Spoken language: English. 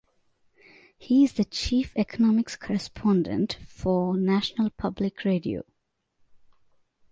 He is the Chief Economics Correspondent for National Public Radio.